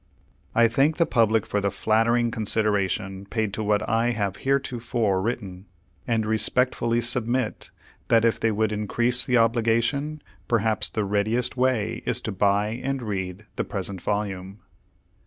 I thank the public for the flattering consideration paid to what I have heretofore written, and respectfully submit that if they would increase the obligation, perhaps the readiest way is to buy and read the present volume.